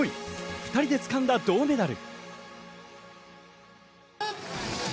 ２人で掴んだ銅メダル。